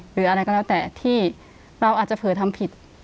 หรืออะไรก็แล้วแต่ที่เราอาจจะเผื่อทำผิด